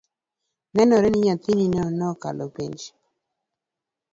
Nenore ni nyathinino ne okalo penj